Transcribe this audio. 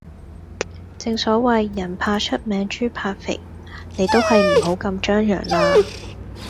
正所謂，人怕出名豬怕肥，你都係唔好咁張揚啦